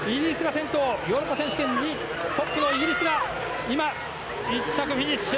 ヨーロッパトップのイギリスが１着、フィニッシュ。